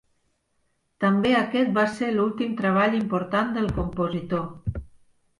També aquest va ser l'últim treball important del compositor.